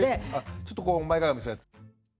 ちょっとこう前かがみにするやつ？